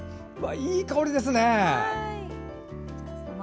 いい香りですね。